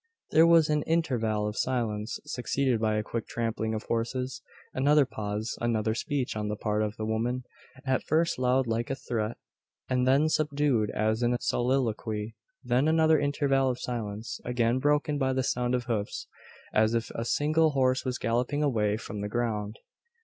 There was an interval of silence, succeeded by a quick trampling of horses another pause another speech on the part of the woman, at first loud like a threat, and then subdued as in a soliloquy then another interval of silence, again broken by the sound of hoofs, as if a single horse was galloping away from the ground.